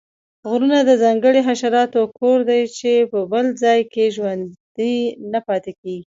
غرونه د ځانګړو حشراتو کور دی چې په بل ځاې کې ژوندي نه پاتیږي